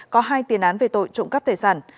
có hai tiền án về tội trộm cắp tài sản